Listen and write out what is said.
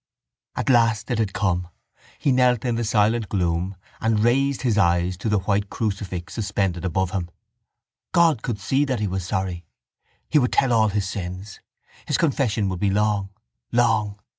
At last it had come. He knelt in the silent gloom and raised his eyes to the white crucifix suspended above him. God could see that he was sorry. He would tell all his sins. His confession would be long, long.